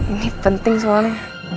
ini penting soalnya